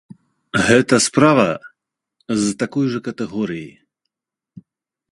Гэта справа з такой жа катэгорыі.